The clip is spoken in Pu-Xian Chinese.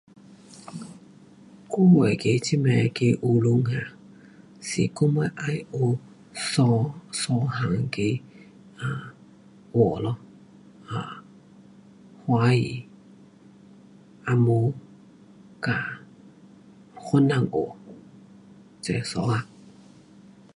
我那个这呐那个学堂，是我们要学三，样那个 um 话咯，um 华语，红毛，跟番呐话，这三样。